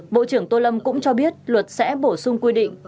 bộ trưởng tô lâm cũng cho biết luật sẽ bổ sung quy định